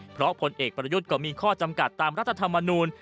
เพราะผลเอกประยุทธ์ก็มีข้อจำกัดตามรัฐธรรมนูล